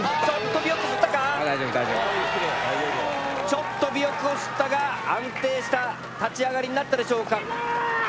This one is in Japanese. ちょっと尾翼をすったが安定した立ち上がりになったでしょうか。